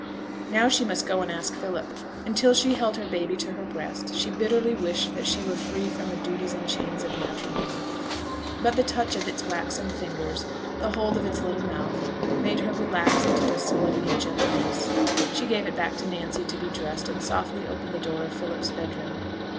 Now she must go and ask Philip; and till she held her baby to her breast, she bitterly wished that she were free from the duties and chains of matrimony. But the touch of its waxen fingers, the hold of its little mouth, made her relax into docility and gentleness. She gave it back to Nancy to be dressed, and softly opened the door of Philip's bed room.